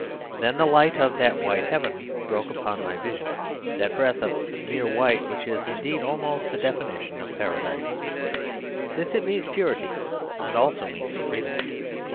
Then the light of that white heaven broke upon my vision, that breadth of mere white which is indeed almost the definition of Paradise, since it means purity and also means freedom.